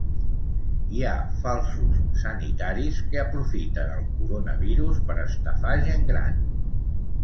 Hi ha "falsos sanitaris" que aprofiten el coronavirus per estafar gent gran.